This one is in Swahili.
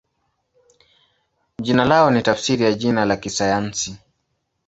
Jina lao ni tafsiri ya jina la kisayansi.